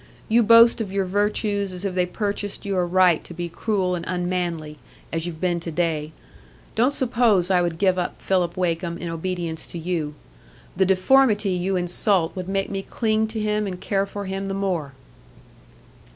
You boast of your virtues as if they purchased you a right to be cruel and unmanly, as you've been to day. Don't suppose I would give up Philip Wakem in obedience to you. The deformity you insult would make me cling to him and care for him the more."